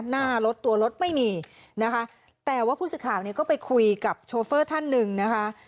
หน้ารถตัวรถไม่มีนะคะแต่ว่าผู้สื่อข่าวเนี่ยก็ไปคุยกับโชเฟอร์ท่านหนึ่งนะคะ